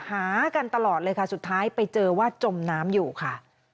หากันตลอดเลยค่ะสุดท้ายไปเจอว่าจมน้ำอยู่ค่ะ